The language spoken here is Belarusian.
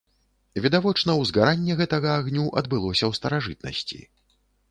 Відавочна узгаранне гэтага агню адбылося ў старажытнасці.